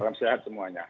salam sehat semuanya